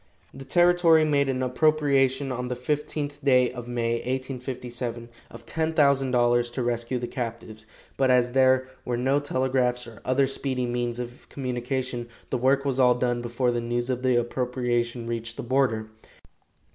The territory made an appropriation on the fifteenth day of May, 1857, of $10,000 to rescue the captives, but as there were no telegraphs or other speedy means of communication, the work was all done before the news of the appropriation reached the border.